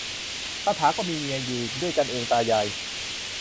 คาถาก็มีเมีย อยู่ด้วยกันเองตายาย